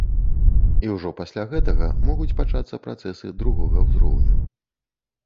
І ўжо пасля гэтага могуць пачацца працэсы другога ўзроўню.